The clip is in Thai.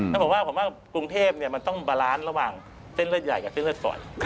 แล้วผมว่าผมว่ากรุงเทพมันต้องบาลานซ์ระหว่างเส้นเลือดใหญ่กับเส้นเลือดฝอย